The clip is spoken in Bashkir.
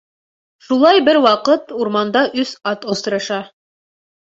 Шулай бер ваҡыт урманда өс ат осраша.